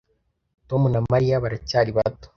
Tom na Mariya baracyari bato